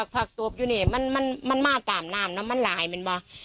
ผักตบอยู่นี่มันมาตามน้ำนะมันหลายมันว่ะ